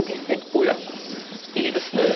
おやいいですねぇ。